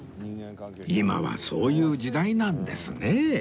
今はそういう時代なんですね